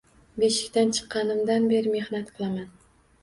Beshikdan chiqqanimdan beri mehnat qilaman